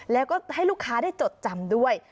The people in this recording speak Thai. แล้วก็ให้ลูกค้าได้จดจำด้วย